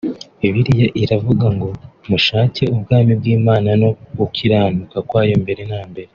Bibiliya iravuga ngo mushake ubwami bw'Imana no gukiranuka kwayo mbere na mbere